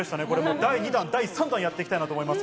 第２弾・第３弾やっていきたいと思います。